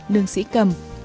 lương sĩ cầm